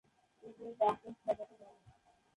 এদের বাকল সাদাটে রঙের।